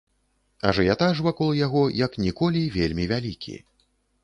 Ажыятаж вакол яго як ніколі вельмі вялікі.